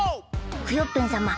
クヨッペンさま